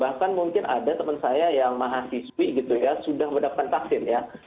bahkan mungkin ada teman saya yang mahasiswi gitu ya sudah mendapatkan vaksin ya